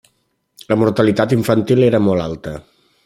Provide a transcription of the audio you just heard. La mortalitat infantil era molt alta.